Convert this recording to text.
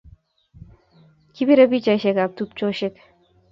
Kipirei pichaishek ab tupcheshek